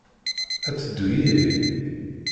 Ad d-teddu yid-i?